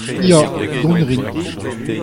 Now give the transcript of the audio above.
ya, dont a rin.